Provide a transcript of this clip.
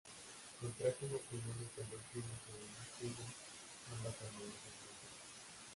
Contrajo matrimonio con dos primas segundas suyas, ambas hermanas entre sí.